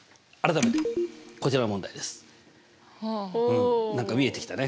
うん何か見えてきたね。